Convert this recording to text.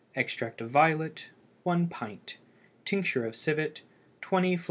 Extract of violet 1 pint. Tincture of civet 20 fl.